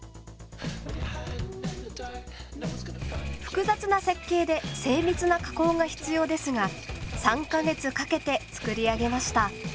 複雑な設計で精密な加工が必要ですが３か月かけて作り上げました。